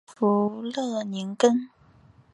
弗勒宁根。